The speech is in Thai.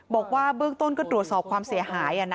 บอกว่าเบื้องต้นก็ตรวจสอบความเสียหาย